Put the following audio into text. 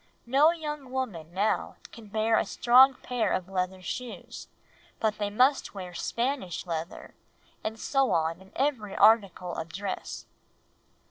No young woman now can bear a strong pair of leather shoes, but they must wear Spanish leather, and so on in every article of dress."